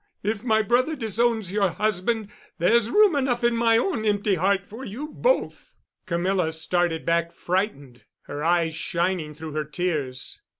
If my brother disowns your husband, there's room enough in my own empty heart for you both——" Camilla started back frightened, her eyes shining through her tears.